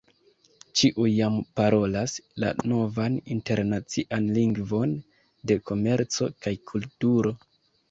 Ĉiuj jam parolas la novan internacian lingvon de komerco kaj kulturo!